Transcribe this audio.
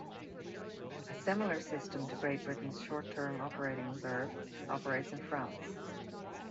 A similar system to Great Britain's Short Term Operating Reserve operates in France.